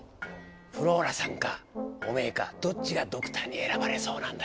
フローラさんかおめえかどっちがドクターに選ばれそうなんだ？